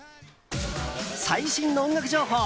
最新の音楽情報。